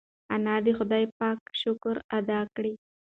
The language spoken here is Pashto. انا د خدای پاک شکر ادا کړ.